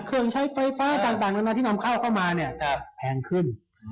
เครื่องใช้ไฟฟ้าต่างนานาที่นำเข้าเข้ามาเนี่ยจะแพงขึ้น